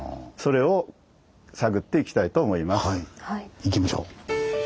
行きましょう。